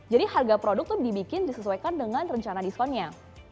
jadi harga produk tuh dibikin disesuaikan dengan rencana diskonnya